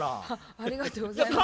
ありがとうございます。